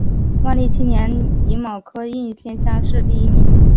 万历七年己卯科应天乡试第一名。